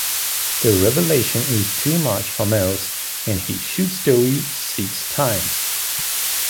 The revelation is too much for Mills and he shoots Doe six times.